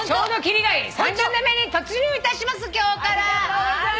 ３０年目に突入いたします今日から。